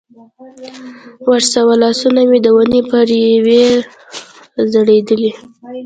ورساوه، لاسونه مې د ونې پر یوې را ځړېدلې.